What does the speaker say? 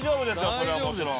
それはもちろん。